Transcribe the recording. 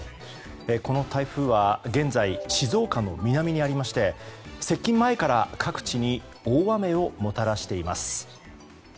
この台風は現在静岡の南にありまして接近前から各地に大雨をもたらしています。